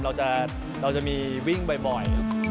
เราจะมีวิ่งบ่อย